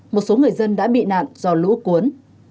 một số người dân đã bị nạn do lũ cuốn